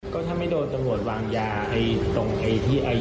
ก็ถ้าไม่โดนตังค์บริษัทวางยาไอ้ตรงไอ้ที่ไอ้เอาอะไร